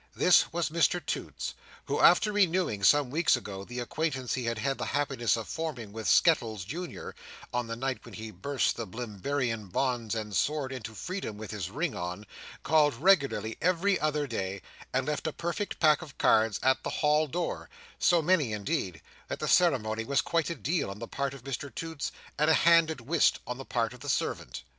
This was Mr Toots, who after renewing, some weeks ago, the acquaintance he had had the happiness of forming with Skettles Junior, on the night when he burst the Blimberian bonds and soared into freedom with his ring on, called regularly every other day, and left a perfect pack of cards at the hall door; so many indeed, that the ceremony was quite a deal on the part of Mr Toots, and a hand at whist on the part of the servant.